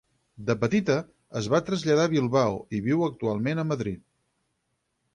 De petita es va traslladar a Bilbao i viu actualment a Madrid.